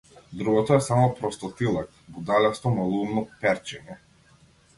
Другото е само простотилак, будалесто, малоумно перчење.